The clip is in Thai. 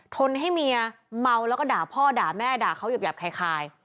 นให้เมียเมาแล้วก็ด่าพ่อด่าแม่ด่าเขาหยาบคล้าย